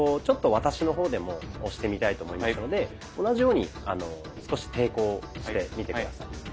ちょっと私の方でも押してみたいと思いますので同じように少し抵抗してみて下さい。